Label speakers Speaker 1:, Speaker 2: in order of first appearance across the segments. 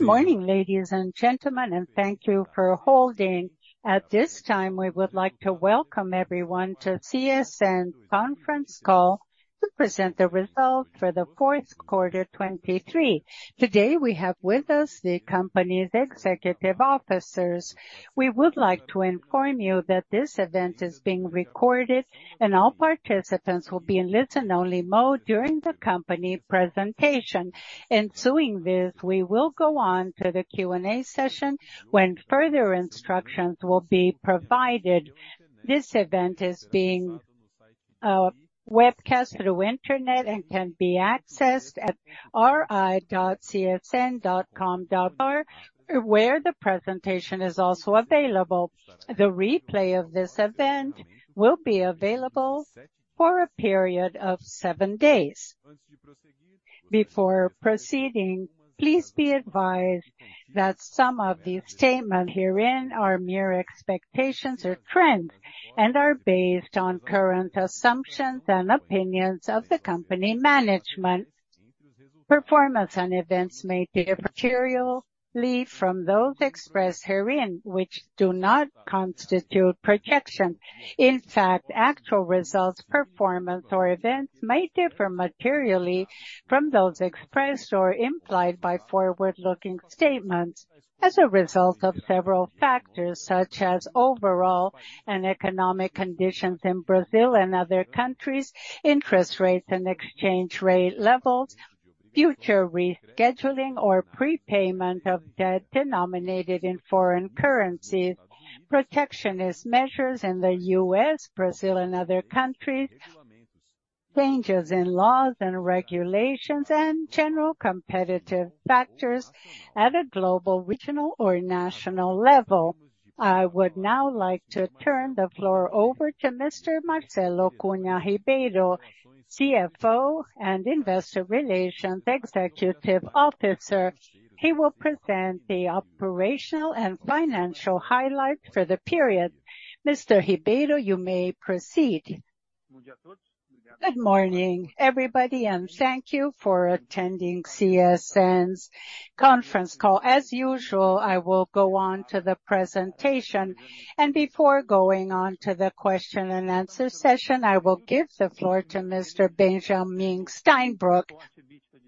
Speaker 1: Good morning, ladies and gentlemen, and thank you for holding. At this time, we would like to welcome everyone to the CSN conference call to present the results for the fourth quarter 2023. Today we have with us the company's executive officers. We would like to inform you that this event is being recorded, and all participants will be in listen-only mode during the company presentation. In doing this, we will go on to the Q&A session when further instructions will be provided. This event is being webcast through the internet and can be accessed at ri.csn.com, where the presentation is also available. The replay of this event will be available for a period of seven days. Before proceeding, please be advised that some of these statements herein are mere expectations or trends and are based on current assumptions and opinions of the company management. Performance on events may differ materially from those expressed herein, which do not constitute projections. In fact, actual results, performance, or events may differ materially from those expressed or implied by forward-looking statements as a result of several factors such as overall economic conditions in Brazil and other countries, interest rates and exchange rate levels, future rescheduling or prepayment of debt denominated in foreign currencies, protectionist measures in the U.S., Brazil, and other countries, changes in laws and regulations, and general competitive factors at a global, regional, or national level. I would now like to turn the floor over to Mr. Marcelo Cunha Ribeiro, CFO and Investor Relations Executive Officer. He will present the operational and financial highlights for the period. Mr. Ribeiro, you may proceed.
Speaker 2: Good morning. Everybody, and thank you for attending CSN's conference call. As usual, I will go on to the presentation, and before going on to the question-and-answer session, I will give the floor to Mr. Benjamin Steinbruch.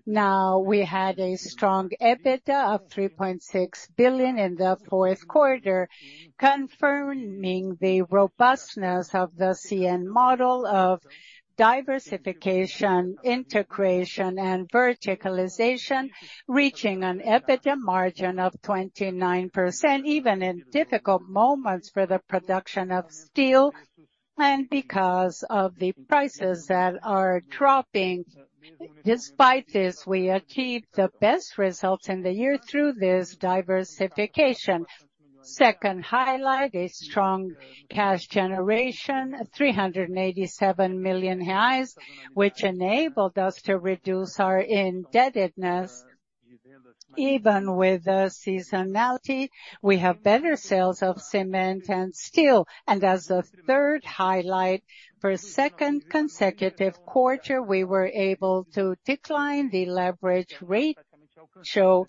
Speaker 2: Now, we had a strong EBITDA of 3.6 billion in the fourth quarter, confirming the robustness of the CSN model of diversification, integration, and verticalization, reaching an EBITDA margin of 29% even in difficult moments for the production of steel and because of the prices that are dropping. Despite this, we achieved the best results in the year through this diversification. Second highlight: a strong cash generation, 387 million reais, which enabled us to reduce our indebtedness. Even with the seasonality, we have better sales of cement and steel. And as the third highlight, for the second consecutive quarter, we were able to decline the leverage rate, so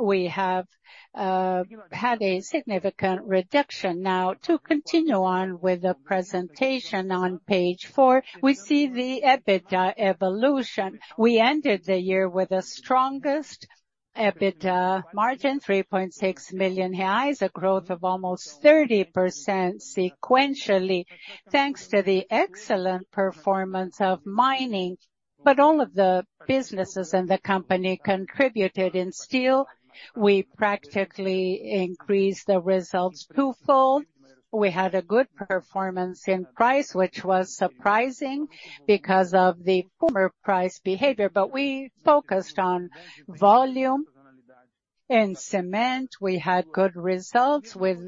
Speaker 2: we have had a significant reduction. Now, to continue on with the presentation, on page four, we see the EBITDA evolution. We ended the year with the strongest EBITDA margin, 3.6 million reais, a growth of almost 30% sequentially, thanks to the excellent performance of mining. But all of the businesses in the company contributed in steel. We practically increased the results twofold. We had a good performance in price, which was surprising because of the former price behavior, but we focused on volume in cement. We had good results with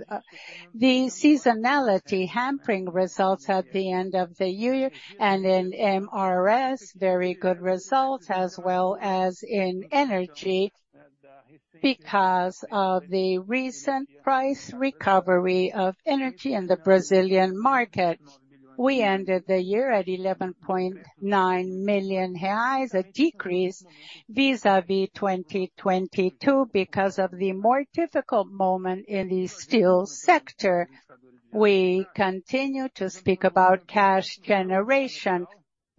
Speaker 2: the seasonality hampering results at the end of the year, and in MRS, very good results as well as in energy because of the recent price recovery of energy in the Brazilian market. We ended the year at 11.9 million reais, a decrease vis-à-vis 2022 because of the more difficult moment in the steel sector. We continue to speak about cash generation.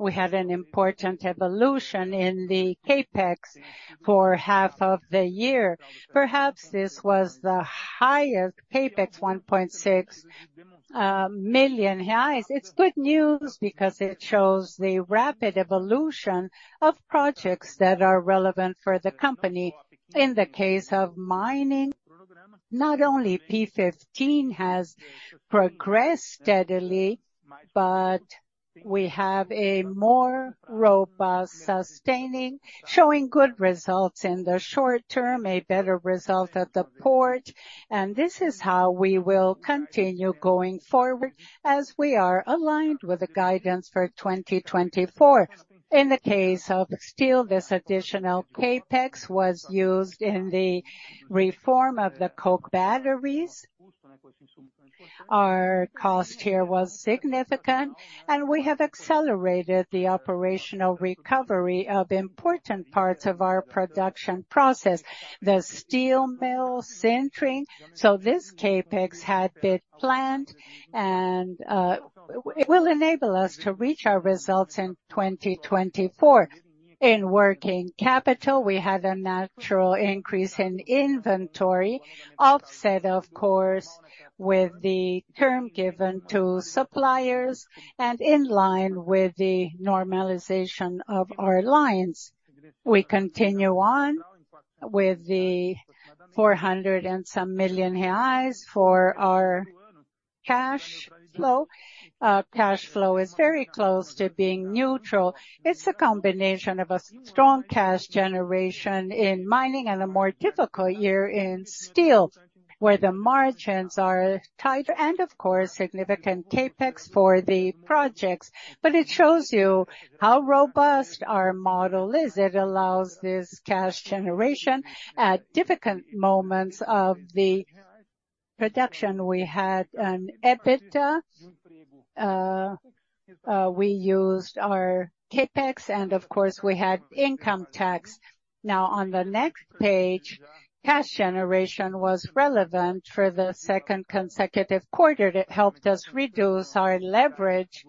Speaker 2: We had an important evolution in the CapEx for half of the year. Perhaps this was the highest CapEx, 1.6 million reais. It's good news because it shows the rapid evolution of projects that are relevant for the company. In the case of mining, not only P15 has progressed steadily, but we have a more robust sustaining, showing good results in the short term, a better result at the port. And this is how we will continue going forward as we are aligned with the guidance for 2024. In the case of steel, this additional CapEx was used in the reform of the coke batteries. Our cost here was significant, and we have accelerated the operational recovery of important parts of our production process, the steel mill sintering. So this CapEx had been planned and will enable us to reach our results in 2024. In working capital, we had a natural increase in inventory, offset, of course, with the term given to suppliers and in line with the normalization of our lines. We continue on with the 400 and some million for our cash flow. Cash flow is very close to being neutral. It's a combination of a strong cash generation in mining and a more difficult year in steel where the margins are tighter and, of course, significant CapEx for the projects. But it shows you how robust our model is. It allows this cash generation at difficult moments of the production. We had an EBITDA. We used our CapEx, and of course, we had income tax. Now, on the next page, cash generation was relevant for the second consecutive quarter. It helped us reduce our leverage,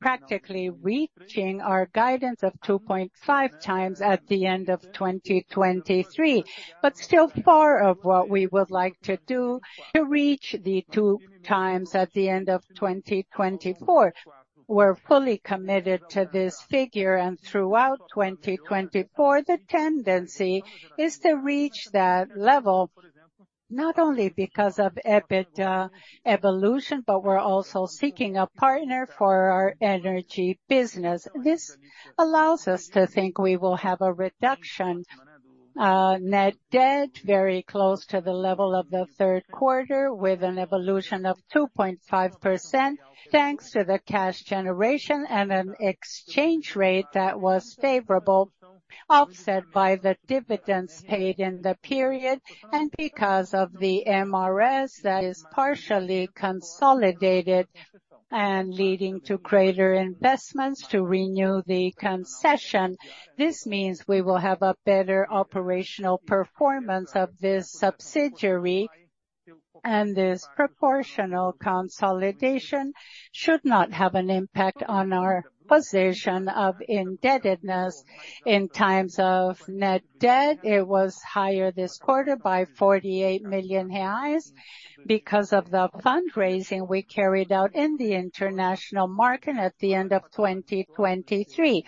Speaker 2: practically reaching our guidance of 2.5x at the end of 2023, but still far from what we would like to do to reach the 2x at the end of 2024. We're fully committed to this figure, and throughout 2024, the tendency is to reach that level not only because of EBITDA evolution, but we're also seeking a partner for our energy business. This allows us to think we will have a reduction in net debt very close to the level of the third quarter with an evolution of 2.5%, thanks to the cash generation and an exchange rate that was favorable, offset by the dividends paid in the period, and because of the MRS that is partially consolidated and leading to greater investments to renew the concession. This means we will have a better operational performance of this subsidiary, and this proportional consolidation should not have an impact on our position of indebtedness. In times of net debt, it was higher this quarter by 48 million reais. Because of the fundraising we carried out in the international market at the end of 2023,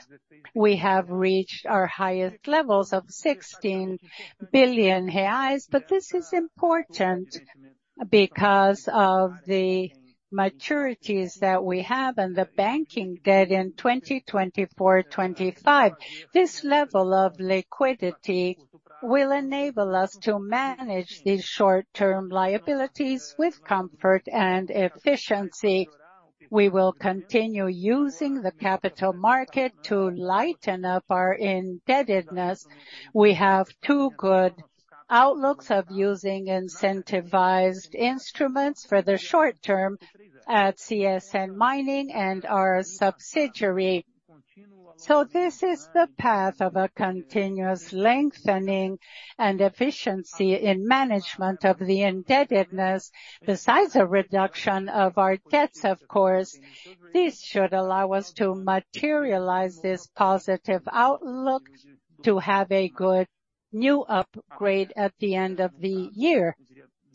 Speaker 2: we have reached our highest levels of 16 billion reais. But this is important because of the maturities that we have and the banking debt in 2024-2025. This level of liquidity will enable us to manage these short-term liabilities with comfort and efficiency. We will continue using the capital market to lighten up our indebtedness. We have two good outlooks of using incentivized instruments for the short term at CSN Mining and our subsidiary. So this is the path of a continuous lengthening and efficiency in management of the indebtedness. Besides a reduction of our debts, of course, this should allow us to materialize this positive outlook, to have a good new upgrade at the end of the year.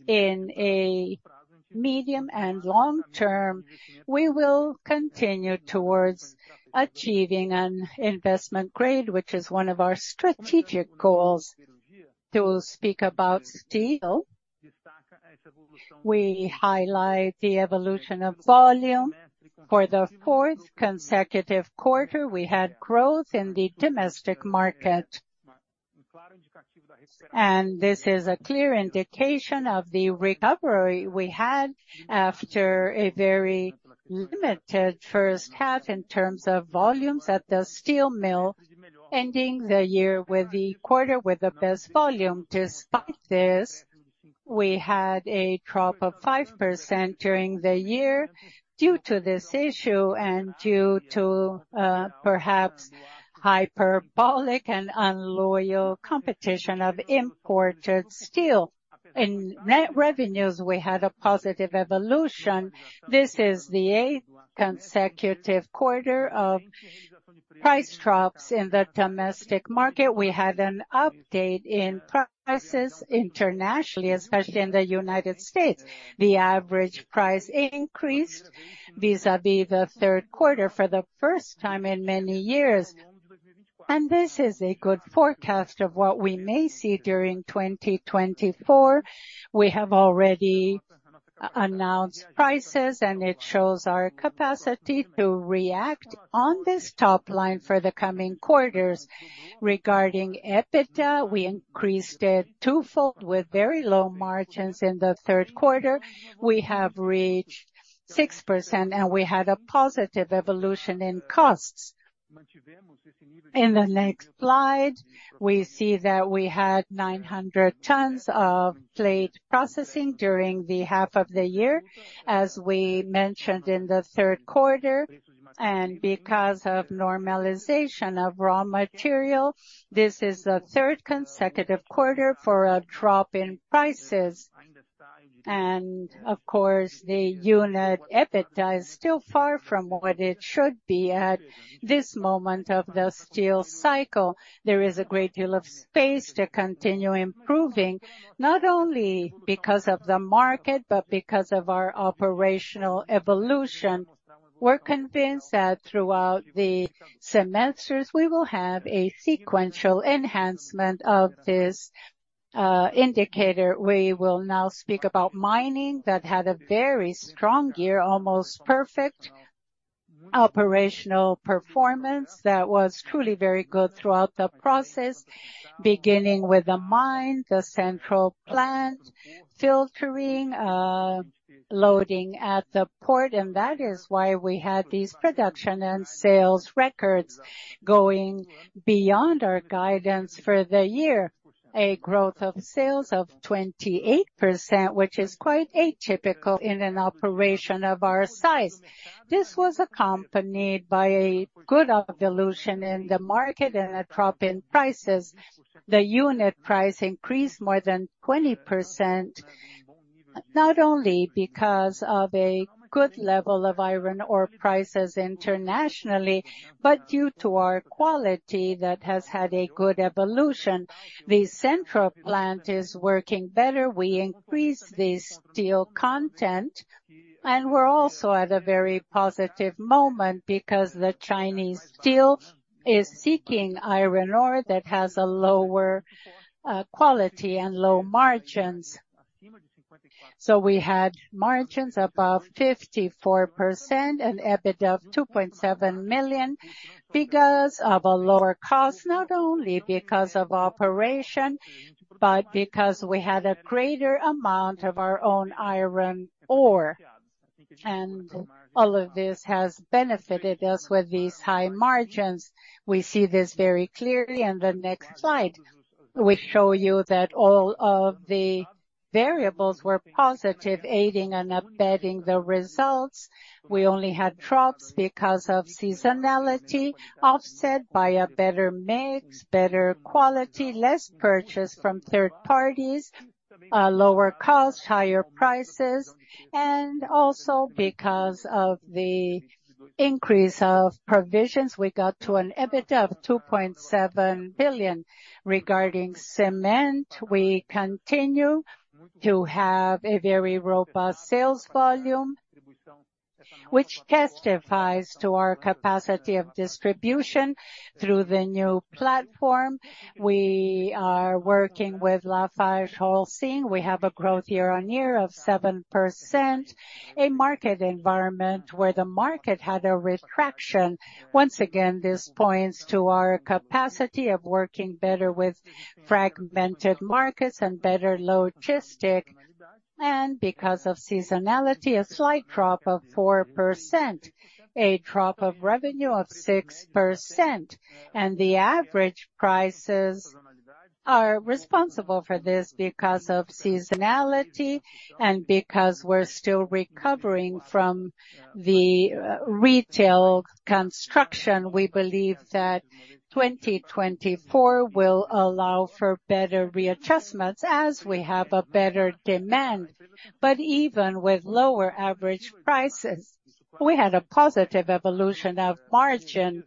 Speaker 2: In a medium and long term, we will continue towards achieving an investment grade, which is one of our strategic goals. To speak about steel, we highlight the evolution of volume. For the fourth consecutive quarter, we had growth in the domestic market, and this is a clear indication of the recovery we had after a very limited first half in terms of volumes at the steel mill, ending the year with the quarter with the best volume. Despite this, we had a drop of 5% during the year due to this issue and due to perhaps hyperbolic and unloyal competition of imported steel. In net revenues, we had a positive evolution. This is the eighth consecutive quarter of price drops in the domestic market. We had an update in prices internationally, especially in the United States. The average price increased vis-à-vis the third quarter for the first time in many years, and this is a good forecast of what we may see during 2024. We have already announced prices, and it shows our capacity to react on this top line for the coming quarters. Regarding EBITDA, we increased it twofold with very low margins in the third quarter. We have reached 6%, and we had a positive evolution in costs. In the next slide, we see that we had 900 tons of plate processing during the half of the year, as we mentioned, in the third quarter. Because of normalization of raw material, this is the third consecutive quarter for a drop in prices. Of course, the unit EBITDA is still far from what it should be at this moment of the steel cycle. There is a great deal of space to continue improving, not only because of the market but because of our operational evolution. We're convinced that throughout the semesters, we will have a sequential enhancement of this indicator. We will now speak about mining that had a very strong year, almost perfect operational performance that was truly very good throughout the process, beginning with the mine, the central plant, filtering, loading at the port. And that is why we had these production and sales records going beyond our guidance for the year, a growth of sales of 28%, which is quite atypical in an operation of our size. This was accompanied by a good evolution in the market and a drop in prices. The unit price increased more than 20%, not only because of a good level of iron ore prices internationally, but due to our quality that has had a good evolution. The central plant is working better. We increased the steel content, and we're also at a very positive moment because the Chinese steel is seeking iron ore that has a lower quality and low margins. We had margins above 54%, an EBITDA of 2.7 million because of lower costs, not only because of operation, but because we had a greater amount of our own iron ore. All of this has benefited us with these high margins. We see this very clearly in the next slide. We show you that all of the variables were positive, aiding and abetting the results. We only had drops because of seasonality, offset by a better mix, better quality, less purchase from third parties, lower costs, higher prices, and also because of the increase of provisions. We got to an EBITDA of 2.7 billion. Regarding cement, we continue to have a very robust sales volume, which testifies to our capacity of distribution through the new platform. We are working with LafargeHolcim. We have a growth year-over-year of 7%, a market environment where the market had a retraction. Once again, this points to our capacity of working better with fragmented markets and better logistics. And because of seasonality, a slight drop of 4%, a drop of revenue of 6%. And the average prices are responsible for this because of seasonality and because we're still recovering from the retail construction. We believe that 2024 will allow for better readjustments as we have a better demand. But even with lower average prices, we had a positive evolution of margin,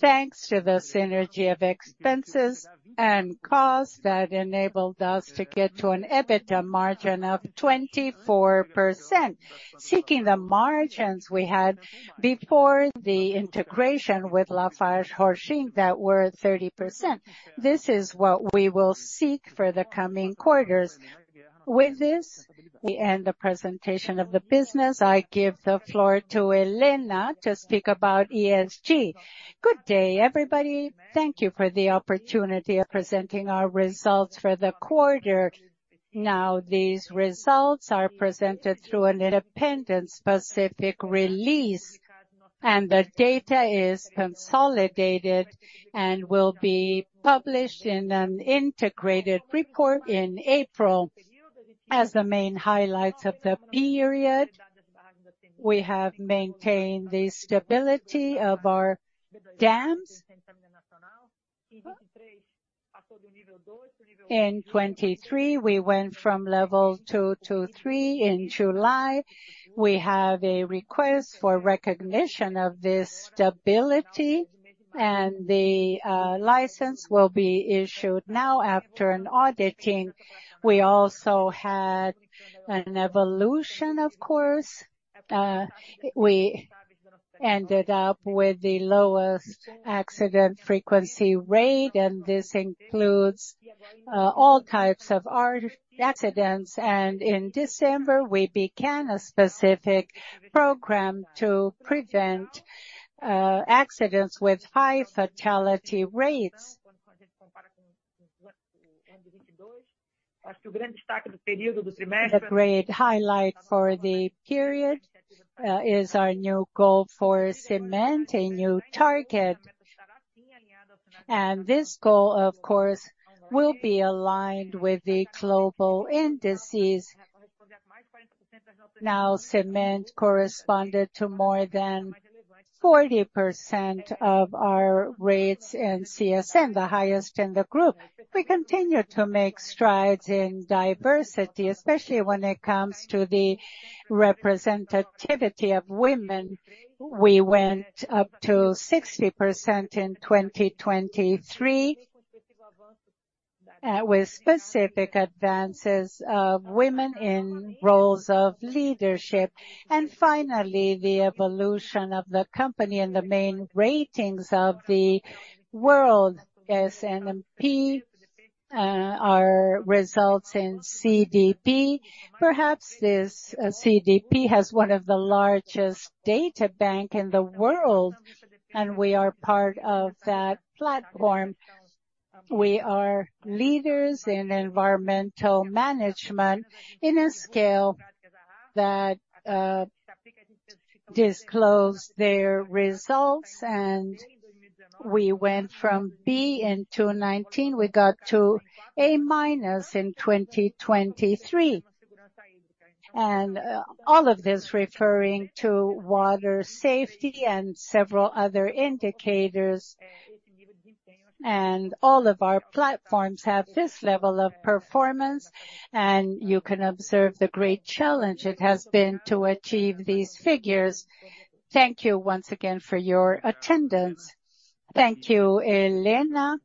Speaker 2: thanks to the synergy of expenses and costs that enabled us to get to an EBITDA margin of 24%, seeking the margins we had before the integration with LafargeHolcim that were 30%. This is what we will seek for the coming quarters. With this, we end the presentation of the business. I give the floor to Helena to speak about ESG.
Speaker 3: Good day, everybody. Thank you for the opportunity of presenting our results for the quarter. Now, these results are presented through an independent specific release, and the data is consolidated and will be published in an integrated report in April. As the main highlights of the period, we have maintained the stability of our dams. In 2023, we went from level 2 to 3 in July. We have a request for recognition of this stability, and the license will be issued now after an audit. We also had an evolution, of course. We ended up with the lowest accident frequency rate, and this includes all types of accidents. In December, we began a specific program to prevent accidents with high fatality rates. The great highlight for the period is our new goal for cement, a new target. This goal, of course, will be aligned with the global indices. Now, cement corresponded to more than 40% of our rates in CSN, the highest in the group. We continue to make strides in diversity, especially when it comes to the representativity of women. We went up to 60% in 2023 with specific advances of women in roles of leadership. Finally, the evolution of the company and the main ratings of the world, S&P, our results in CDP. Perhaps this CDP has one of the largest data banks in the world, and we are part of that platform. We are leaders in environmental management in a scale that disclosed their results. We went from B in 2019. We got to A- in 2023. All of this referring to water safety and several other indicators. All of our platforms have this level of performance, and you can observe the great challenge it has been to achieve these figures. Thank you once again for your attendance.
Speaker 2: Thank you, Helena.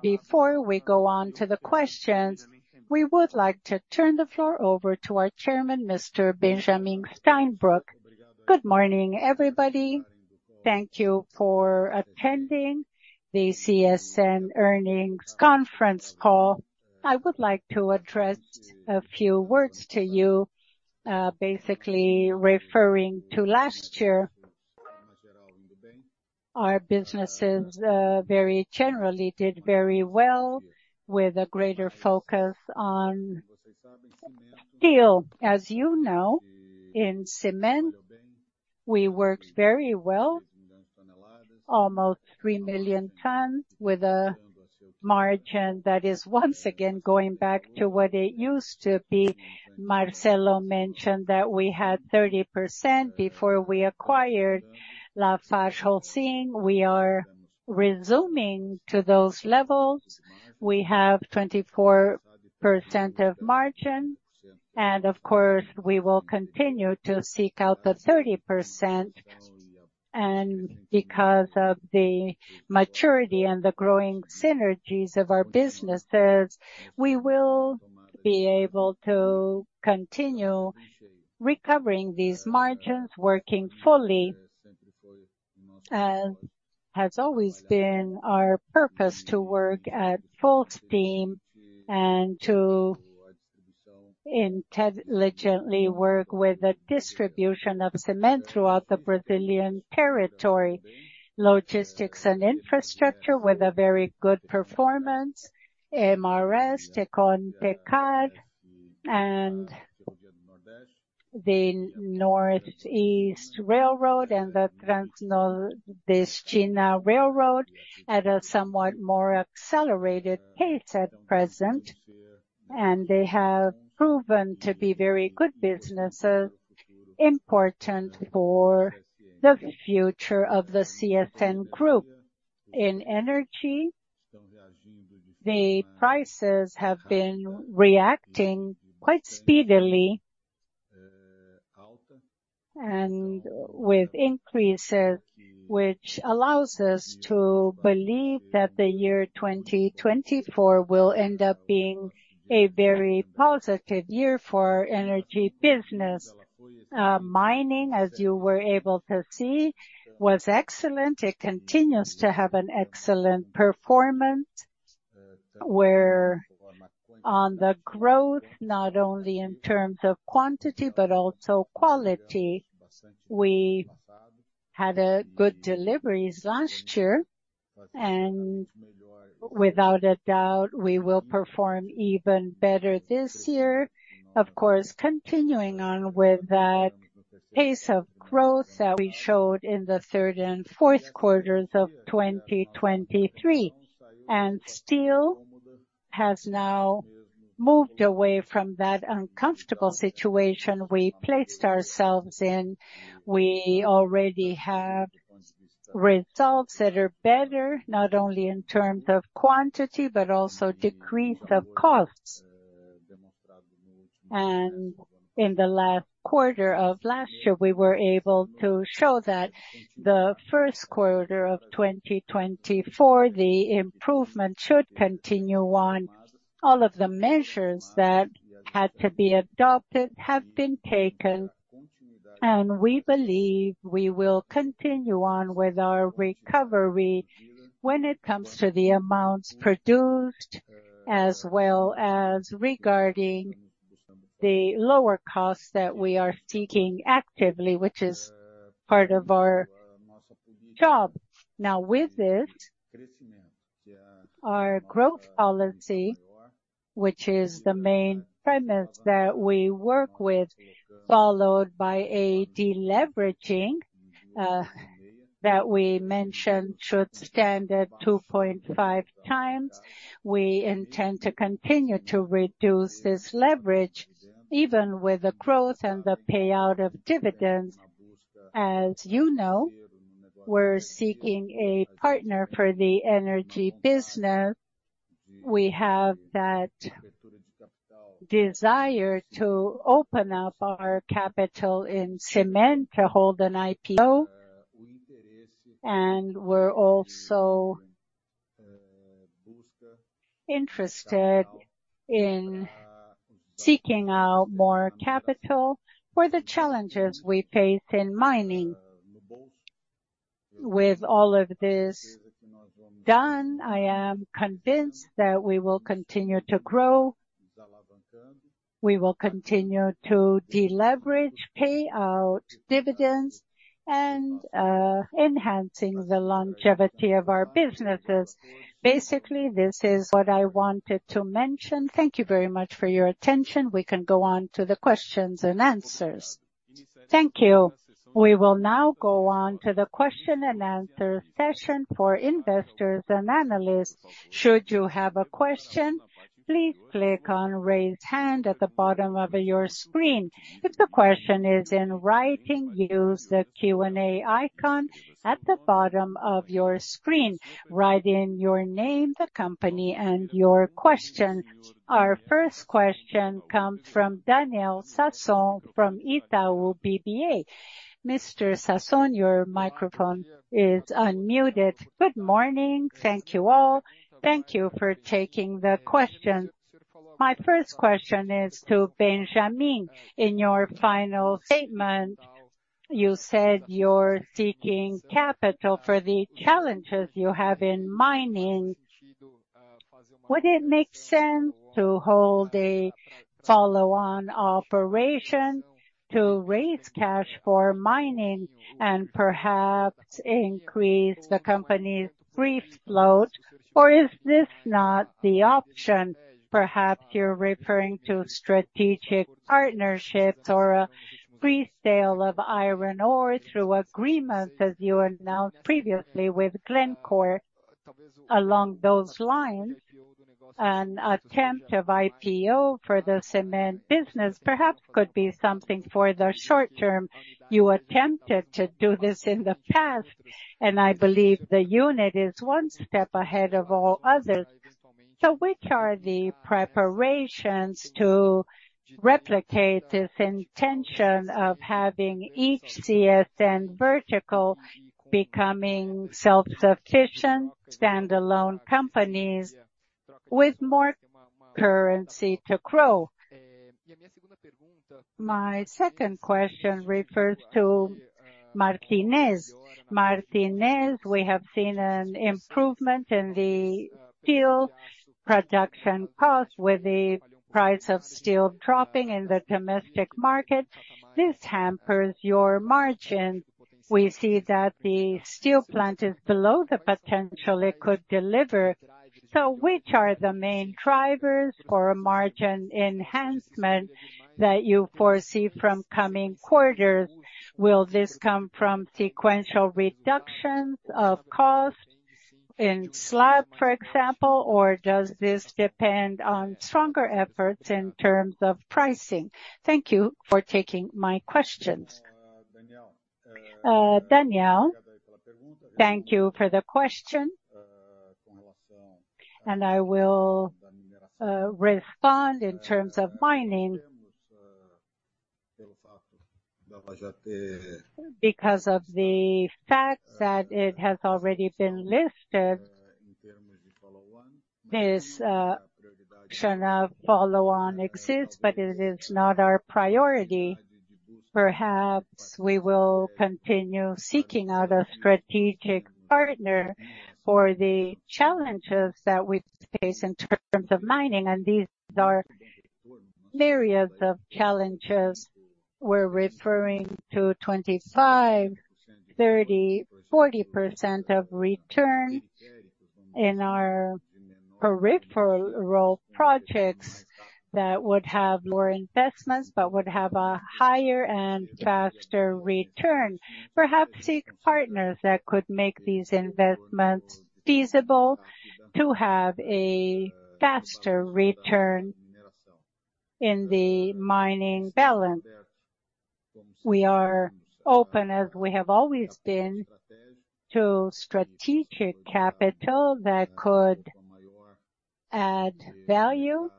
Speaker 2: Before we go on to the questions, we would like to turn the floor over to our chairman, Mr. Benjamin Steinbruch.
Speaker 4: Good morning, everybody. Thank you for attending the CSN Earnings Conference call. I would like to address a few words to you, basically referring to last year. Our businesses very generally did very well with a greater focus on steel. As you know, in cement, we worked very well, almost 3 million tons. With a margin that is once again going back to what it used to be. Marcelo mentioned that we had 30% before we acquired LafargeHolcim. We are resuming to those levels. We have 24% of margin, and of course, we will continue to seek out the 30%. And because of the maturity and the growing synergies of our businesses, we will be able to continue recovering these margins, working fully. It has always been our purpose to work at full steam and to intelligently work with the distribution of cement throughout the Brazilian territory, logistics and infrastructure with a very good performance, MRS, TECON, TECAR, and the Northeast Railroad and the Transnordestina Railroad at a somewhat more accelerated pace at present. They have proven to be very good businesses, important for the future of the CSN Group. In energy, the prices have been reacting quite speedily and with increases, which allows us to believe that the year 2024 will end up being a very positive year for energy business. Mining, as you were able to see, was excellent. It continues to have an excellent performance. Where on the growth, not only in terms of quantity but also quality, we had good deliveries last year, and without a doubt, we will perform even better this year. Of course, continuing on with that pace of growth. We showed in the third and fourth quarters of 2023. And steel has now moved away from that uncomfortable situation we placed ourselves in. We already have results that are better, not only in terms of quantity but also decrease of costs. And in the last quarter of last year, we were able to show that the first quarter of 2024, the improvement should continue on. All of the measures that had to be adopted have been taken, and we believe we will continue on with our recovery when it comes to the amounts produced as well as regarding the lower costs that we are seeking actively, which is part of our job. Now, with this, our growth policy, which is the main premise that we work with, followed by a deleveraging that we mentioned should stand at 2.5x. We intend to continue to reduce this leverage even with the growth and the payout of dividends. As you know, we're seeking a partner for the energy business. We have that desire to open up our capital in cement to hold an IPO. And we're also interested in seeking out more capital for the challenges we face in mining. With all of this done, I am convinced that we will continue to grow. We will continue to deleverage, pay out dividends, and enhance the longevity of our businesses. Basically, this is what I wanted to mention. Thank you very much for your attention. We can go on to the questions and answers.
Speaker 1: Thank you. We will now go on to the question and answer session for investors and analysts. Should you have a question, please click on Raise Hand at the bottom of your screen. If the question is in writing, use the Q&A icon at the bottom of your screen. Write in your name, the company, and your question. Our first question comes from Daniel Sasson from Itaú BBA. Mr. Sasson, your microphone is unmuted.
Speaker 5: Good morning. Thank you all. Thank you for taking the question. My first question is to Benjamin. In your final statement, you said you're seeking capital for the challenges you have in mining. Would it make sense to hold a follow-on operation to raise cash for mining and perhaps increase the company's free float, or is this not the option? Perhaps you're referring to strategic partnerships or a resale of iron ore through agreements, as you announced previously with Glencore. Along those lines, an attempt of IPO for the cement business perhaps could be something for the short term. You attempted to do this in the past, and I believe the unit is one step ahead of all others. So which are the preparations to replicate this intention of having each CSN vertical becoming self-sufficient, standalone companies with more currency to grow? My second question refers to Martinez. Martinez, we have seen an improvement in the steel production cost with the price of steel dropping in the domestic market. This hampers your margins. We see that the steel plant is below the potential it could deliver. So which are the main drivers for margin enhancement that you foresee from coming quarters? Will this come from sequential reductions of costs in slab, for example, or does this depend on stronger efforts in terms of pricing? Thank you for taking my questions.
Speaker 4: Daniel, thank you for the question. I will respond in terms of mining. Because of the fact that it has already been listed, this priority of follow-on exists, but it is not our priority. Perhaps we will continue seeking out a strategic partner for the challenges that we face in terms of mining. These are myriads of challenges. We're referring to 25%, 30%, 40% of return in our peripheral projects that would have more investments but would have a higher and faster return. Perhaps seek partners that could make these investments feasible to have a faster return in the mining balance. We are open, as we have always been, to strategic capital that could add value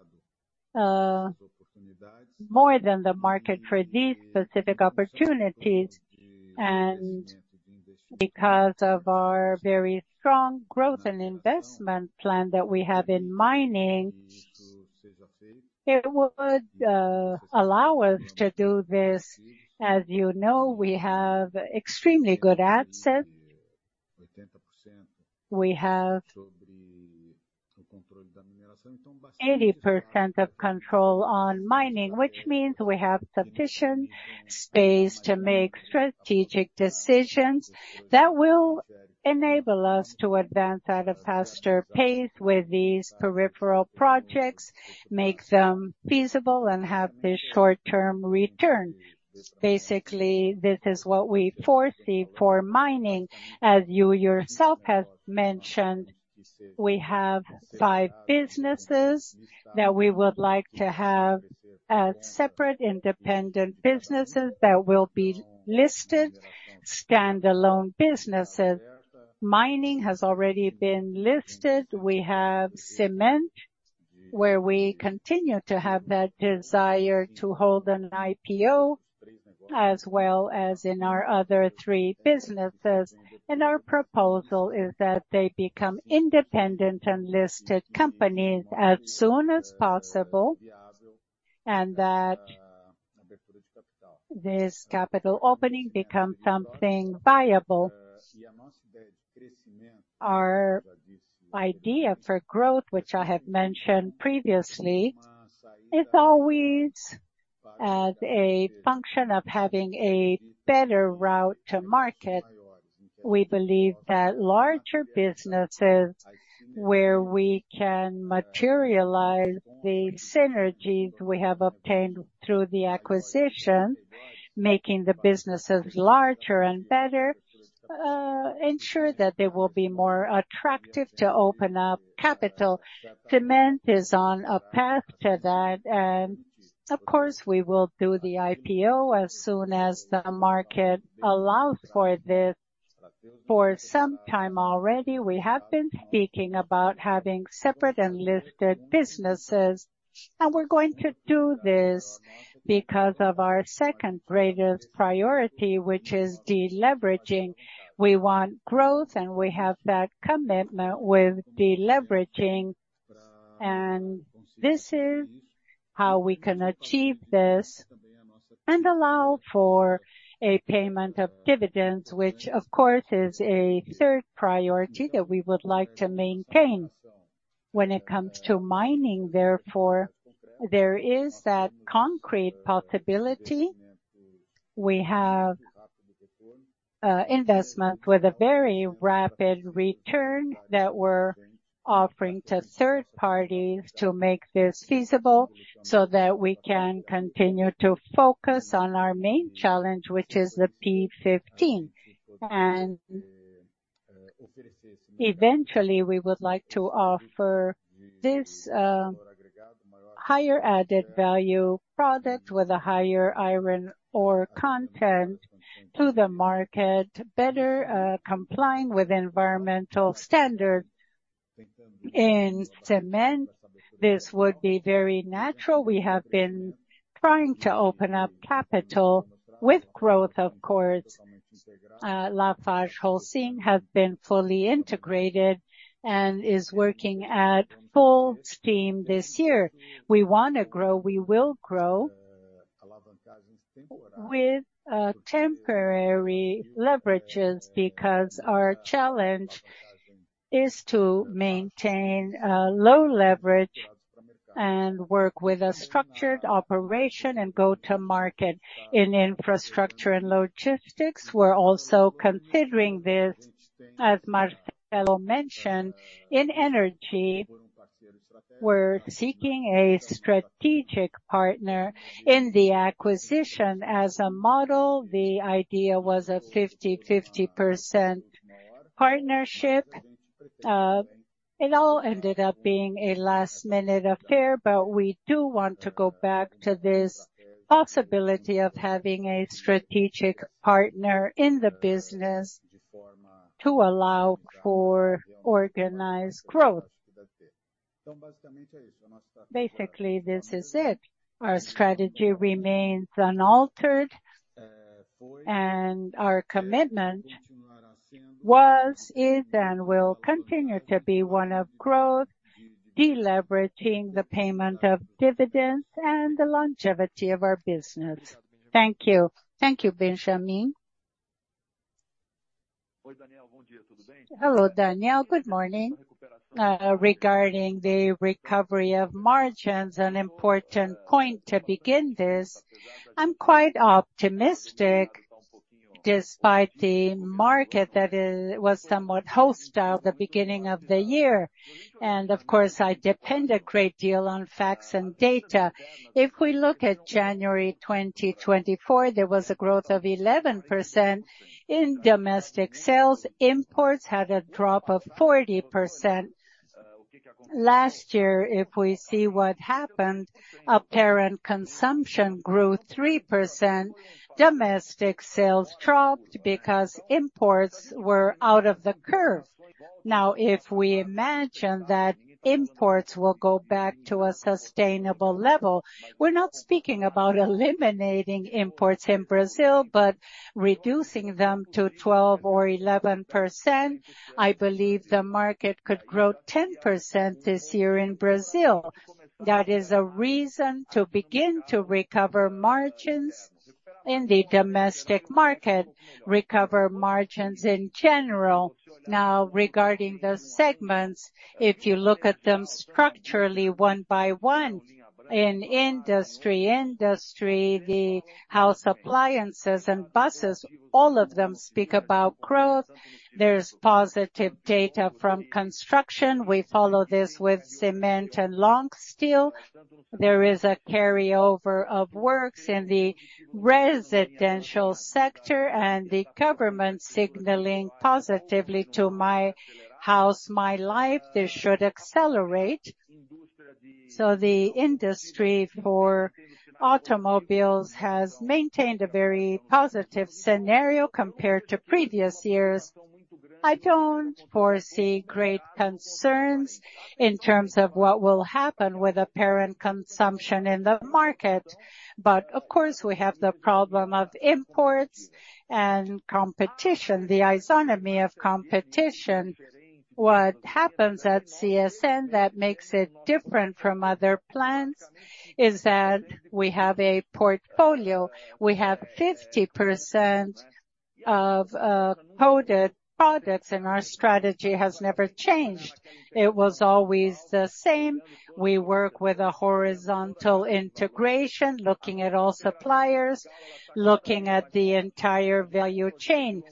Speaker 4: more than the market for these specific opportunities. Because of our very strong growth and investment plan that we have in mining, it would allow us to do this. As you know, we have extremely good assets. We have 80% of control on mining, which means we have sufficient space to make strategic decisions that will enable us to advance at a faster pace with these peripheral projects, make them feasible, and have this short-term return. Basically, this is what we foresee for mining. As you yourself have mentioned, we have five businesses that we would like to have as separate, independent businesses that will be listed, standalone businesses. Mining has already been listed. We have cement, where we continue to have that desire to hold an IPO as well as in our other three businesses. Our proposal is that they become independent and listed companies as soon as possible and that this capital opening becomes something viable. Our idea for growth, which I have mentioned previously, is always as a function of having a better route to market. We believe that larger businesses, where we can materialize the synergies we have obtained through the acquisition, making the businesses larger and better, ensure that they will be more attractive to open up capital. Cement is on a path to that. Of course, we will do the IPO as soon as the market allows for this. For some time already, we have been speaking about having separate and listed businesses. We're going to do this because of our second greatest priority, which is deleveraging. We want growth, and we have that commitment with deleveraging. This is how we can achieve this and allow for a payment of dividends, which, of course, is a third priority that we would like to maintain when it comes to mining. Therefore, there is that concrete possibility. We have investments with a very rapid return that we're offering to third parties to make this feasible so that we can continue to focus on our main challenge, which is the P15. Eventually, we would like to offer this higher-added value product with a higher iron ore content to the market, better complying with environmental standards in cement. This would be very natural. We have been trying to open up capital with growth, of course. LafargeHolcim has been fully integrated and is working at full steam this year. We want to grow. We will grow with temporary leverages because our challenge is to maintain low leverage and work with a structured operation and go to market in infrastructure and logistics. We're also considering this, as Marcelo mentioned, in energy. We're seeking a strategic partner in the acquisition. As a model, the idea was a 50/50 partnership. It all ended up being a last-minute affair, but we do want to go back to this possibility of having a strategic partner in the business to allow for organized growth. Basically, this is it. Our strategy remains unaltered, and our commitment was, is, and will continue to be one of growth, deleveraging, the payment of dividends, and the longevity of our business. Thank you.
Speaker 5: Thank you, Benjamin.
Speaker 6: Hello, Daniel. Good morning. Regarding the recovery of margins, an important point to begin this. I'm quite optimistic despite the market that was somewhat hostile at the beginning of the year. Of course, I depend a great deal on facts and data. If we look at January 2024, there was a growth of 11% in domestic sales. Imports had a drop of 40% last year. If we see what happened, apparent consumption grew 3%. Domestic sales dropped because imports were out of the curve. Now, if we imagine that imports will go back to a sustainable level, we're not speaking about eliminating imports in Brazil, but reducing them to 12% or 11%. I believe the market could grow 10% this year in Brazil. That is a reason to begin to recover margins in the domestic market, recover margins in general. Now, regarding the segments, if you look at them structurally one by one, in industry, industry, the house appliances and buses, all of them speak about growth. There's positive data from construction. We follow this with cement and long steel. There is a carryover of works in the residential sector and the government signaling positively to My House, My Life. This should accelerate. So the industry for automobiles has maintained a very positive scenario compared to previous years. I don't foresee great concerns in terms of what will happen with apparent consumption in the market. But of course, we have the problem of imports and competition, the isonomy of competition. What happens at CSN that makes it different from other plants is that we have a portfolio. We have 50% of coated products, and our strategy has never changed. It was always the same. We work with a horizontal integration, looking at all suppliers, looking at the entire value chain.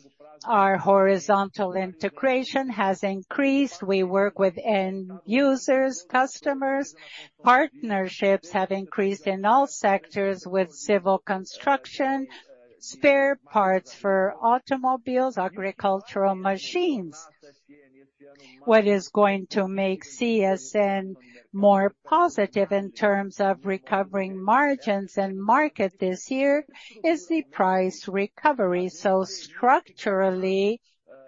Speaker 6: Our horizontal integration has increased. We work with end users, customers. Partnerships have increased in all sectors with civil construction, spare parts for automobiles, agricultural machines. What is going to make CSN more positive in terms of recovering margins and market this year is the price recovery. So structurally,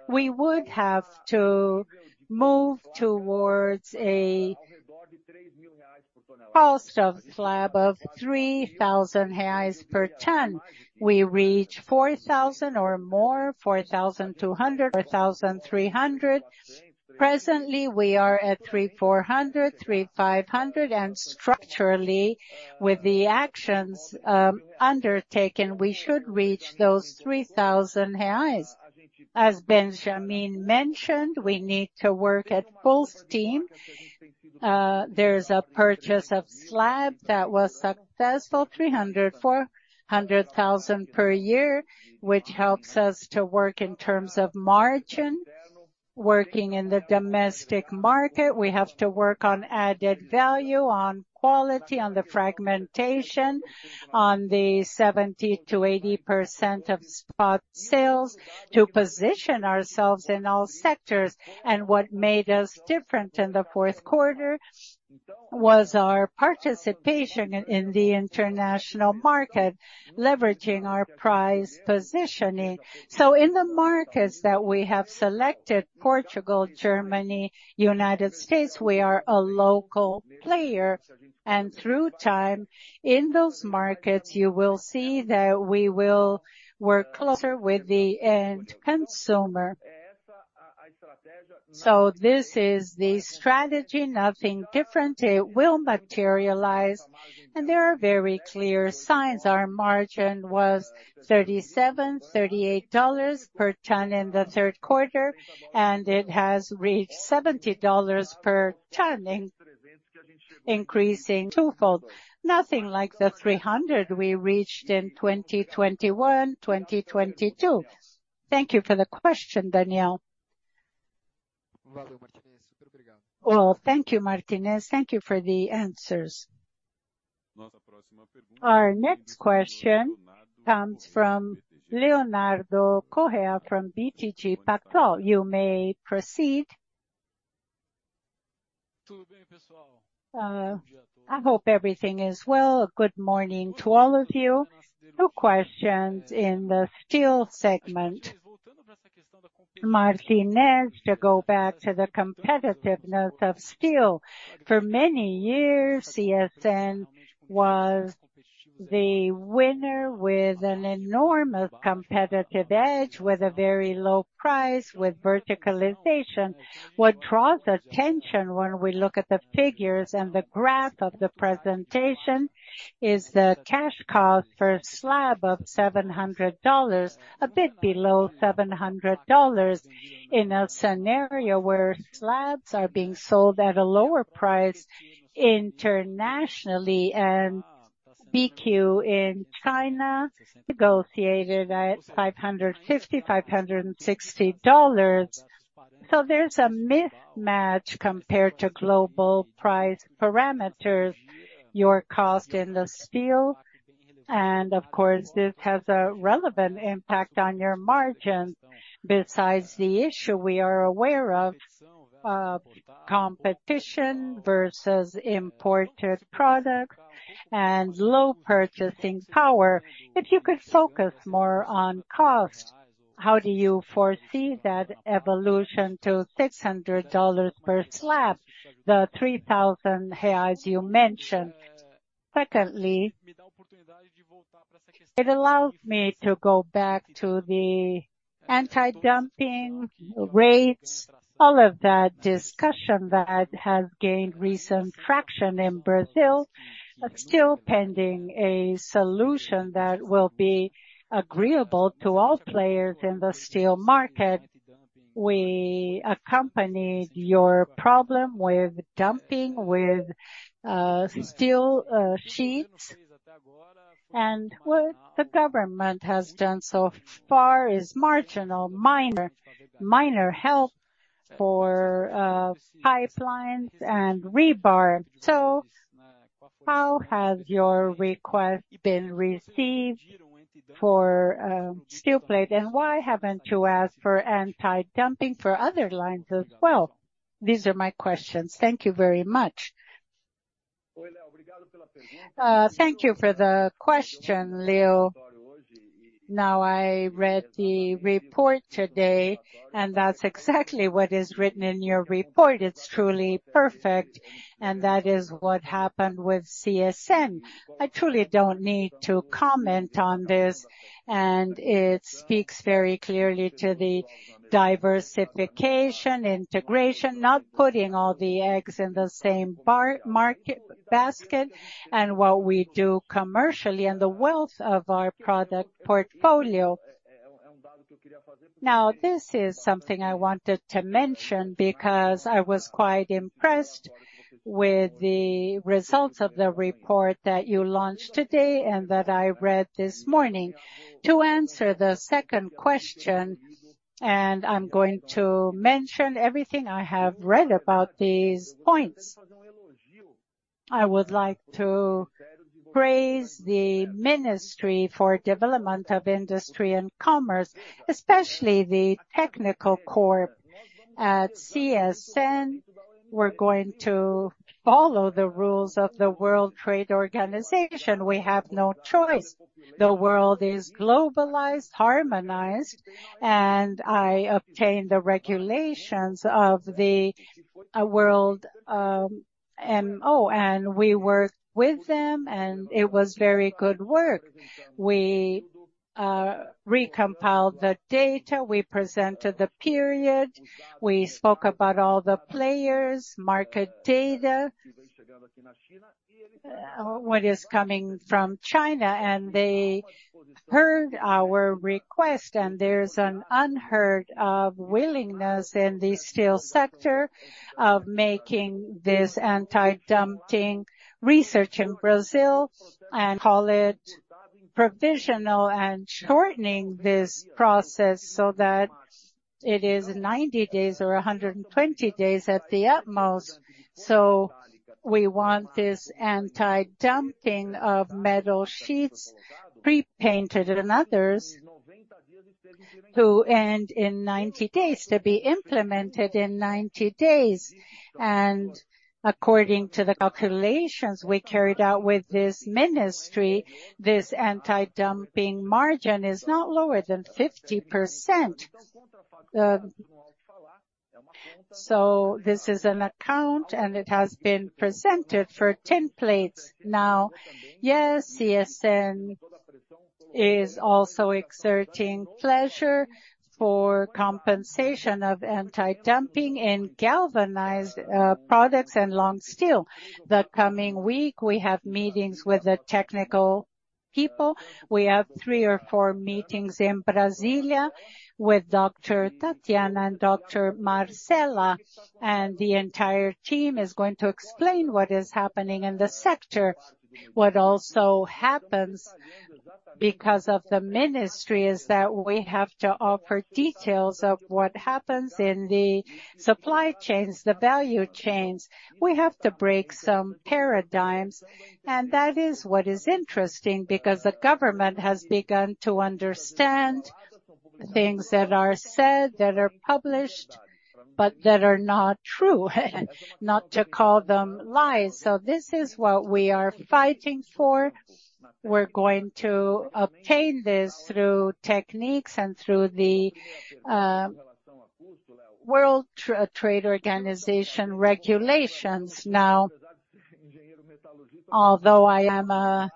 Speaker 6: we would have to move towards a cost of slab of 3,000 reais per ton. We reach 4,000 or more, 4,200, 4,300. Presently, we are at 3,400, 3,500. Structurally, with the actions undertaken, we should reach those 3,000 reais. As Benjamin mentioned, we need to work at full steam. There's a purchase of slab that was successful, 300,000-400,000 per year, which helps us to work in terms of margin. Working in the domestic market, we have to work on added value, on quality, on the fragmentation, on the 70%-80% of spot sales to position ourselves in all sectors. What made us different in the fourth quarter was our participation in the international market, leveraging our price positioning. So in the markets that we have selected, Portugal, Germany, United States, we are a local player. Through time in those markets, you will see that we will work closer with the end consumer. So this is the strategy. Nothing different. It will materialize. There are very clear signs. Our margin was $37-$38 per ton in the third quarter, and it has reached $70 per ton, increasing twofold. Nothing like the $300 we reached in 2021, 2022. Thank you for the question, Daniel.
Speaker 5: Well, thank you, Martinez. Thank you for the answers.
Speaker 1: Our next question comes from Leonardo Correa from BTG Pactual. You may proceed.
Speaker 7: I hope everything is well. Good morning to all of you. No questions in the steel segment. Martinez, to go back to the competitiveness of steel. For many years, CSN was the winner with an enormous competitive edge, with a very low price, with verticalization. What draws attention when we look at the figures and the graph of the presentation is the cash cost per slab of $700, a bit below $700 in a scenario where slabs are being sold at a lower price internationally. BQ in China negotiated at $550-$560. So there's a mismatch compared to global price parameters, your cost in the steel. And of course, this has a relevant impact on your margins. Besides the issue we are aware of, competition versus imported products and low purchasing power. If you could focus more on cost, how do you foresee that evolution to $600 per slab, the 3,000 reais you mentioned? Secondly, it allows me to go back to the anti-dumping rates, all of that discussion that has gained recent traction in Brazil, still pending a solution that will be agreeable to all players in the steel market. We accompanied your problem with dumping, with steel sheets. And what the government has done so far is marginal, minor help for pipelines and rebar. So how has your request been received for steel plate? And why haven't you asked for anti-dumping for other lines as well? These are my questions. Thank you very much.
Speaker 6: Thank you for the question, Leo. Now, I read the report today, and that's exactly what is written in your report. It's truly perfect. And that is what happened with CSN. I truly don't need to comment on this. And it speaks very clearly to the diversification, integration, not putting all the eggs in the same basket, and what we do commercially and the wealth of our product portfolio. Now, this is something I wanted to mention because I was quite impressed with the results of the report that you launched today and that I read this morning. To answer the second question, and I'm going to mention everything I have read about these points, I would like to praise the Ministry of Development, Industry, Trade and Services, especially the technical corps at CSN. We're going to follow the rules of the World Trade Organization. We have no choice. The world is globalized, harmonized, and I obtained the regulations of the WTO, and we worked with them, and it was very good work. We recompiled the data. We presented the period. We spoke about all the players, market data, what is coming from China. They heard our request, and there's an unheard of willingness in the steel sector of making this anti-dumping investigation in Brazil and call it provisional and shortening this process so that it is 90 days or 120 days at the utmost. So we want this anti-dumping of metal sheets pre-painted and others to end in 90 days, to be implemented in 90 days. And according to the calculations we carried out with this ministry, this anti-dumping margin is not lower than 50%. So this is an account, and it has been presented for tin plates. Now, yes, CSN is also exerting pressure for imposition of anti-dumping in galvanized products and long steel. The coming week, we have meetings with the technical people. We have three or four meetings in Brasília with Dr. Tatiana and Dr. Marcela. The entire team is going to explain what is happening in the sector. What also happens because of the ministry is that we have to offer details of what happens in the supply chains, the value chains. We have to break some paradigms. And that is what is interesting because the government has begun to understand things that are said, that are published, but that are not true, not to call them lies. So this is what we are fighting for. We're going to obtain this through techniques and through the World Trade Organization regulations. Now, although I am a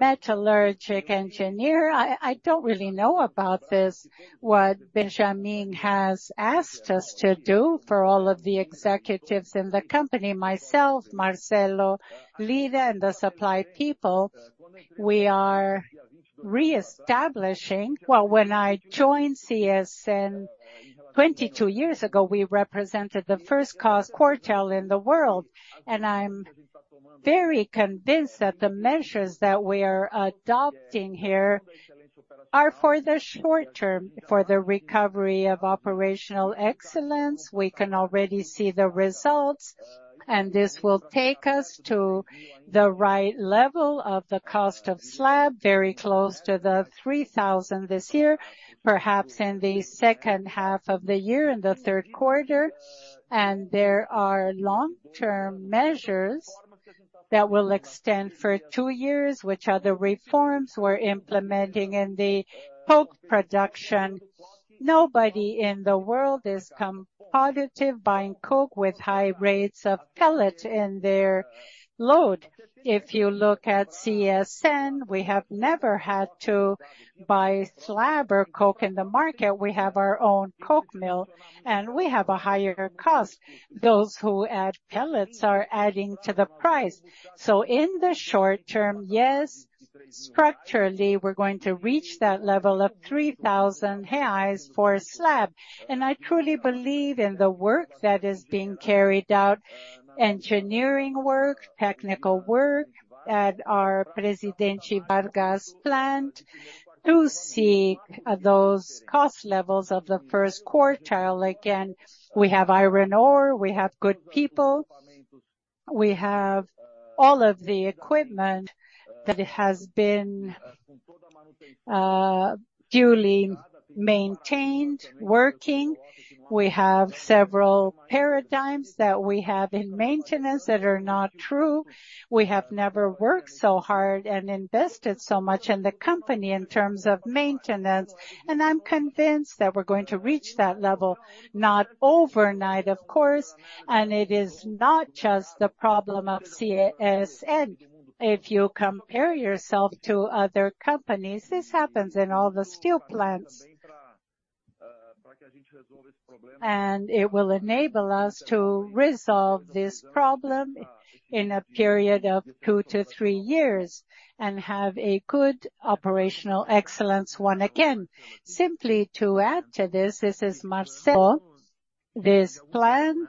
Speaker 6: metallurgic engineer, I don't really know about this, what Benjamin has asked us to do for all of the executives in the company, myself, Marcelo, Lyra, and the supply people, we are reestablishing. Well, when I joined CSN 22 years ago, we represented the first cost quartile in the world. I'm very convinced that the measures that we are adopting here are for the short term, for the recovery of operational excellence. We can already see the results, and this will take us to the right level of the cost of slab, very close to the $3,000 this year, perhaps in the second half of the year, in the third quarter. There are long-term measures that will extend for two years, which are the reforms we're implementing in the coke production. Nobody in the world is competitive buying coke with high rates of pellet in their load. If you look at CSN, we have never had to buy slab or coke in the market. We have our own coke mill, and we have a higher cost. Those who add pellets are adding to the price. So in the short term, yes, structurally, we're going to reach that level of 3,000 for slab. And I truly believe in the work that is being carried out, engineering work, technical work at our Presidente Vargas plant to seek those cost levels of the first quartile. Again, we have iron ore. We have good people. We have all of the equipment that has been duly maintained, working. We have several paradigms that we have in maintenance that are not true. We have never worked so hard and invested so much in the company in terms of maintenance. And I'm convinced that we're going to reach that level, not overnight, of course. And it is not just the problem of CSN. If you compare yourself to other companies, this happens in all the steel plants. It will enable us to resolve this problem in a period of 2-3 years and have a good operational excellence once again.
Speaker 2: Simply to add to this, this is Marcelo. This plan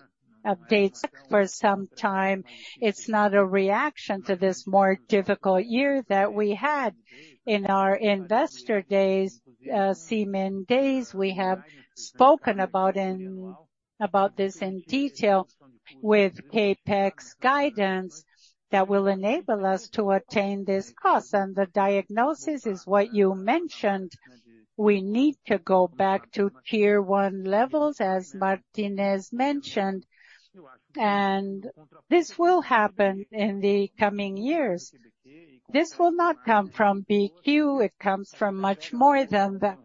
Speaker 2: dates back for some time. It's not a reaction to this more difficult year that we had in our investor days since then. We have spoken about this in detail with CapEx guidance that will enable us to attain this cost. The diagnosis is what you mentioned. We need to go back to tier one levels, as Martinez mentioned. This will happen in the coming years. This will not come from BQ. It comes from much more than that.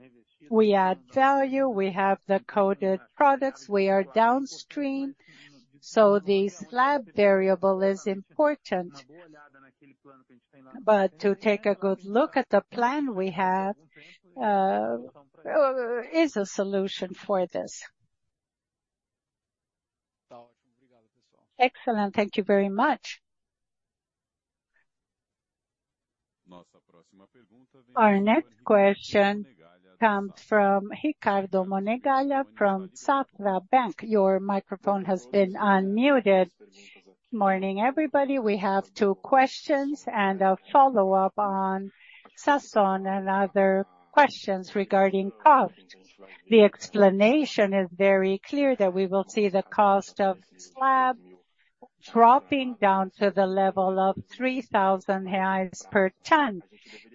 Speaker 2: We add value. We have the coated products. We are downstream. So the slab variable is important. But to take a good look at the plan we have is a solution for this.
Speaker 1: Excellent. Thank you very much. Our next question comes from Ricardo Monegaglia from Banco Safra. Your microphone has been unmuted.
Speaker 8: Good morning, everybody. We have two questions and a follow-up on Sasson and other questions regarding cost. The explanation is very clear that we will see the cost of slab dropping down to the level of 3,000 reais per ton.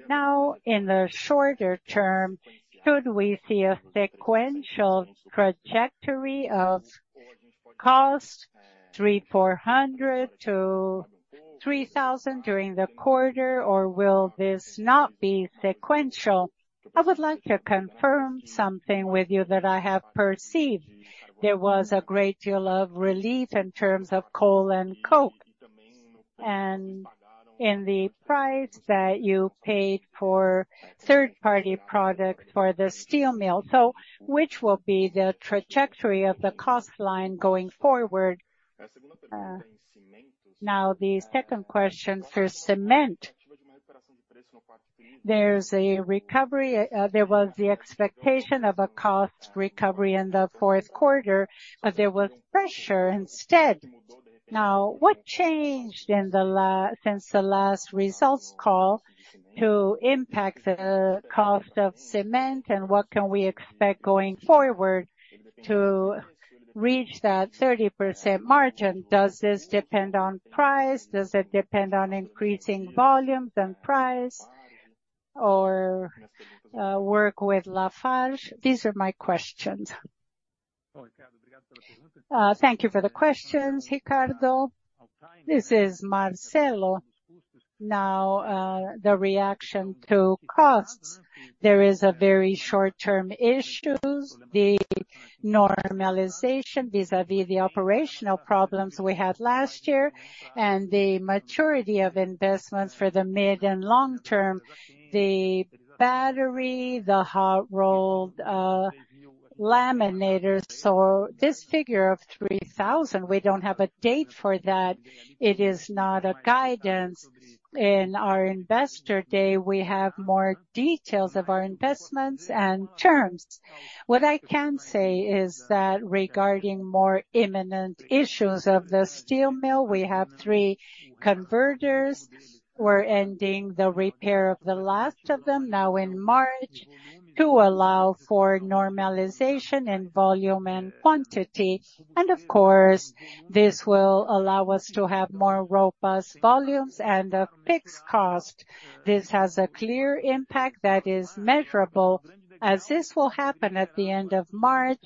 Speaker 8: Now, in the shorter term, should we see a sequential trajectory of cost 3,400-3,000 during the quarter, or will this not be sequential? I would like to confirm something with you that I have perceived. There was a great deal of relief in terms of coal and coke and in the price that you paid for third-party products for the steel mill. So which will be the trajectory of the cost line going forward? Now, the second question for cement. There's a recovery. There was the expectation of a cost recovery in the fourth quarter, but there was pressure instead. Now, what changed since the last results call to impact the cost of cement, and what can we expect going forward to reach that 30% margin? Does this depend on price? Does it depend on increasing volumes and price or work with Lafarge? These are my questions.
Speaker 2: Thank you for the questions, Ricardo. This is Marcelo. Now, the reaction to costs. There are very short-term issues, the normalization vis-à-vis the operational problems we had last year and the maturity of investments for the mid and long term, the battery, the hot-rolled laminators. So this figure of 3,000, we don't have a date for that. It is not a guidance. In our investor day, we have more details of our investments and terms. What I can say is that regarding more imminent issues of the steel mill, we have three converters. We're ending the repair of the last of them now in March to allow for normalization in volume and quantity. And of course, this will allow us to have more robust volumes and a fixed cost. This has a clear impact that is measurable, as this will happen at the end of March.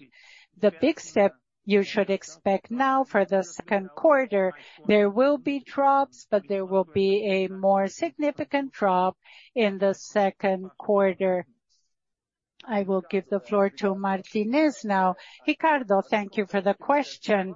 Speaker 2: The big step you should expect now for the second quarter, there will be drops, but there will be a more significant drop in the second quarter. I will give the floor to Martinez now.
Speaker 6: Ricardo, thank you for the question.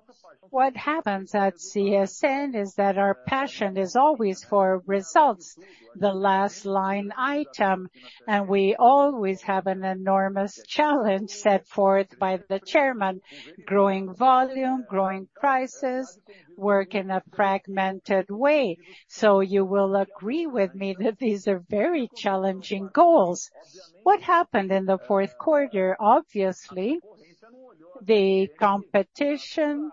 Speaker 6: What happens at CSN is that our passion is always for results, the last line item. And we always have an enormous challenge set forth by the chairman: growing volume, growing prices, work in a fragmented way. So you will agree with me that these are very challenging goals. What happened in the fourth quarter? Obviously, the competition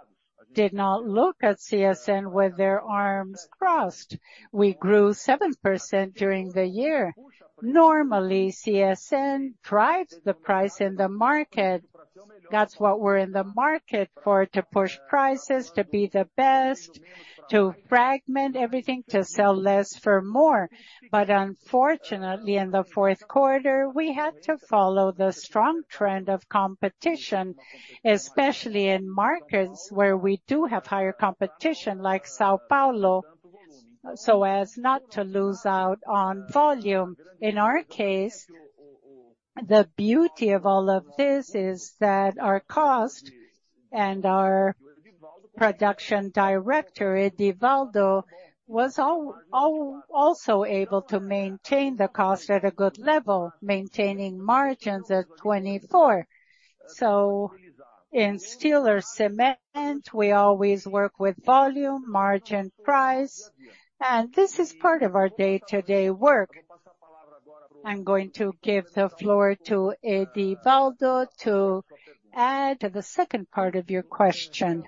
Speaker 6: did not look at CSN with their arms crossed. We grew 7% during the year. Normally, CSN drives the price in the market. That's what we're in the market for: to push prices, to be the best, to fragment everything, to sell less for more. But unfortunately, in the fourth quarter, we had to follow the strong trend of competition, especially in markets where we do have higher competition like São Paulo, so as not to lose out on volume. In our case, the beauty of all of this is that our cost and our production director, Divaldo, was also able to maintain the cost at a good level, maintaining margins at 24%. So in steel or cement, we always work with volume, margin, price. This is part of our day-to-day work. I'm going to give the floor to Divaldo to add to the second part of your question.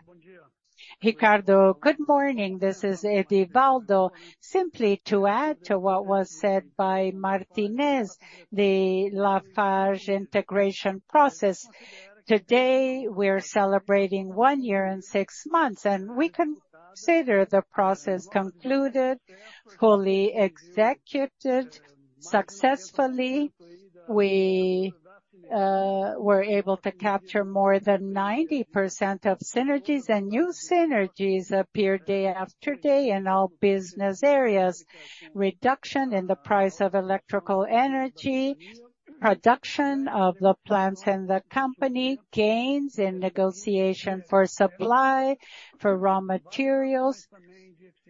Speaker 9: Ricardo, good morning. This is Divaldo. Simply to add to what was said by Martinez, the Lafarge integration process, today we are celebrating 1 year and 6 months, and we consider the process concluded, fully executed, successfully. We were able to capture more than 90% of synergies, and new synergies appeared day after day in all business areas: reduction in the price of electrical energy, production of the plants and the company, gains in negotiation for supply, for raw materials.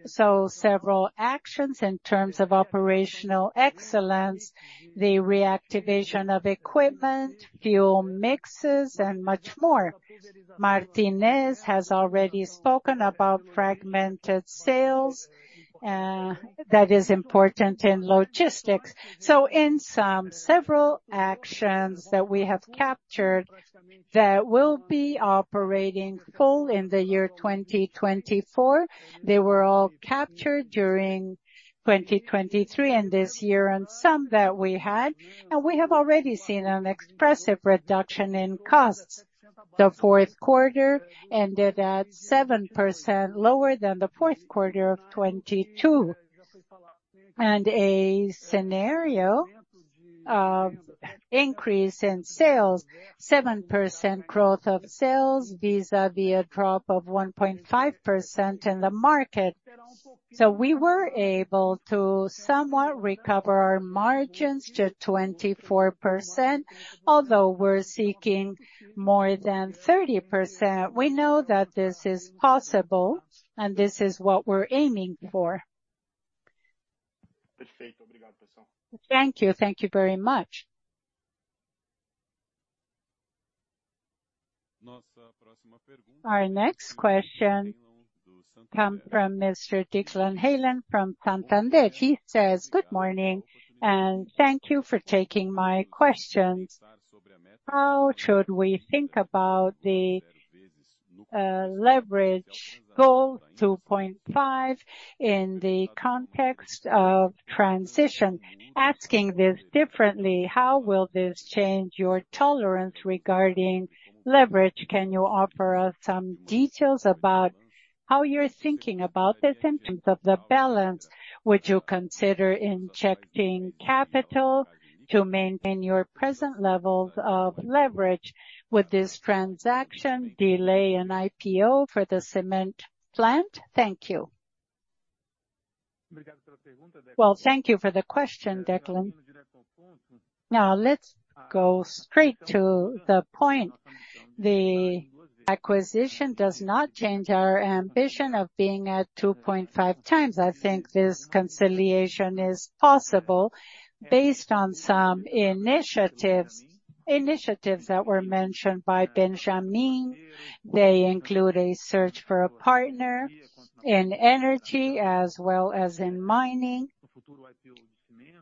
Speaker 9: So several actions in terms of operational excellence, the reactivation of equipment, fuel mixes, and much more. Martinez has already spoken about fragmented sales. That is important in logistics. So in sum, several actions that we have captured that will be operating full in the year 2024, they were all captured during 2023 and this year in sum that we had. And we have already seen an expressive reduction in costs. The fourth quarter ended at 7% lower than the fourth quarter of 2022. And a scenario of increase in sales, 7% growth of sales vis-à-vis a drop of 1.5% in the market. So we were able to somewhat recover our margins to 24%, although we're seeking more than 30%. We know that this is possible, and this is what we're aiming for. Thank you.
Speaker 8: Thank you very much.
Speaker 1: Our next question comes from Mr. Declan Hanlon from Santander. He says, "Good morning and thank you for taking my questions. How should we think about the leverage goal 2.5 in the context of transition? Asking this differently, how will this change your tolerance regarding leverage? Can you offer us some details about how you're thinking about this? In terms of the balance, would you consider injecting capital to maintain your present levels of leverage with this transaction, delay an IPO for the cement plant? Thank you.
Speaker 2: Well, thank you for the question, Declan. Now, let's go straight to the point. The acquisition does not change our ambition of being at 2.5 times. I think this deleveraging is possible based on some initiatives that were mentioned by Benjamin. They include a search for a partner in energy as well as in mining,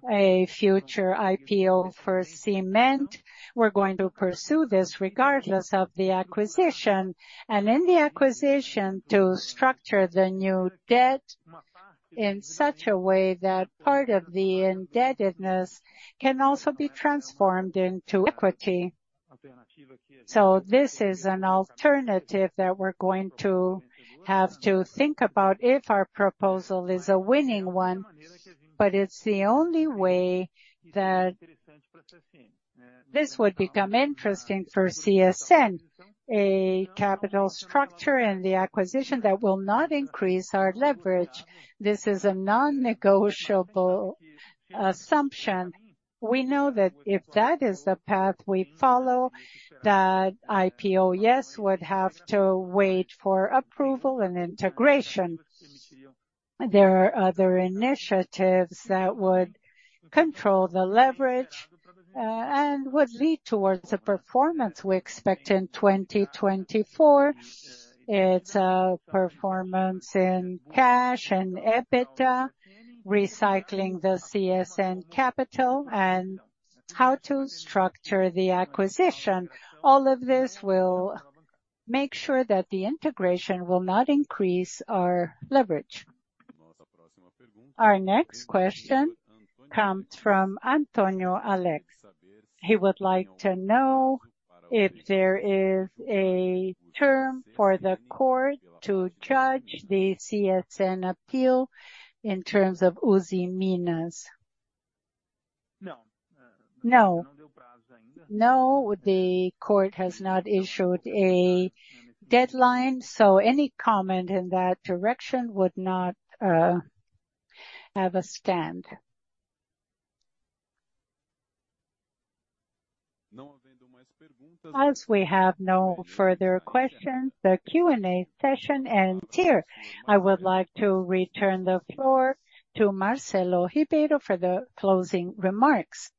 Speaker 2: a future IPO for cement. We're going to pursue this regardless of the acquisition. And in the acquisition, to structure the new debt in such a way that part of the indebtedness can also be transformed into equity. So this is an alternative that we're going to have to think about if our proposal is a winning one. But it's the only way that this would become interesting for CSN, a capital structure in the acquisition that will not increase our leverage. This is a non-negotiable assumption. We know that if that is the path we follow, that IPO, yes, would have to wait for approval and integration. There are other initiatives that would control the leverage and would lead towards the performance we expect in 2024. It's a performance in cash and EBITDA, recycling the CSN capital, and how to structure the acquisition. All of this will make sure that the integration will not increase our leverage.
Speaker 1: Our next question comes from Antonio Alex. He would like to know if there is a term for the court to judge the CSN appeal in terms of Usiminas.
Speaker 2: No. No, the court has not issued a deadline. So any comment in that direction would not have a stand.
Speaker 1: As we have no further questions, the Q&A session ends here. I would like to return the floor to Marcelo Ribeiro for the closing remarks.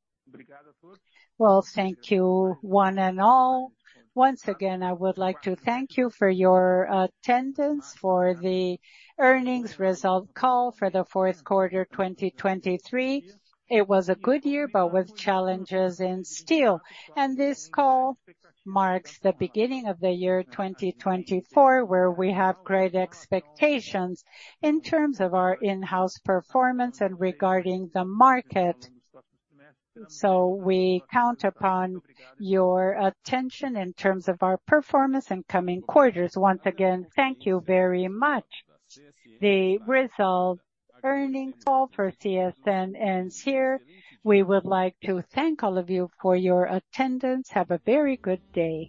Speaker 2: Well, thank you one and all. Once again, I would like to thank you for your attendance, for the earnings result call for the fourth quarter 2023. It was a good year, but with challenges in steel. This call marks the beginning of the year 2024 where we have great expectations in terms of our in-house performance and regarding the market. We count upon your attention in terms of our performance in coming quarters. Once again, thank you very much.
Speaker 1: The result earnings call for CSN ends here. We would like to thank all of you for your attendance. Have a very good day.